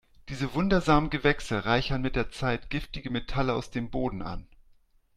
Diese wundersamen Gewächse reichern mit der Zeit giftige Metalle aus dem Boden an.